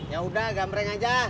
ya udah gamreng aja